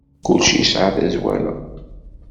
Kullec yesɛa tazwara.